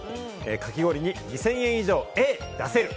かき氷に２０００円以上、出せる？